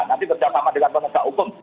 nanti kerja sama dengan penerja hukum